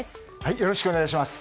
よろしくお願いします。